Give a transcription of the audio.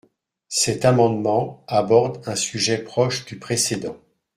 Cet amendement aborde un sujet proche du précédent.